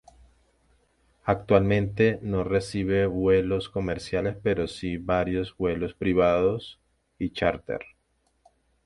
Actualmente no recibe vuelos comerciales pero sí varios vuelos privados y charter.